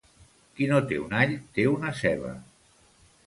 Qui no té un all, té una ceba.